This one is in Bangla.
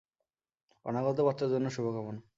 অনাগত বাচ্চার জন্য শুভকামনা।